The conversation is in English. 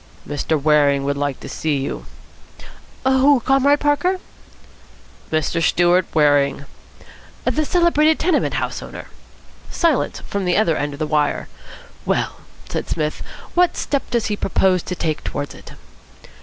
"Mr. Waring would like to see you." "Who, Comrade Parker?" "Mr. Stewart Waring." "The celebrated tenement house owner?" Silence from the other end of the wire. "Well," said Psmith, "what step does he propose to take towards it?"